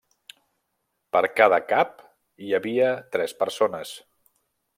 Per cada cap hi havia tres persones.